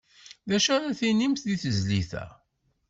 D acu ara tinimt di tezlit-a?